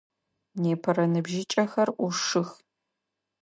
Непэрэ ныбжьыкӏэхзр ӏушых.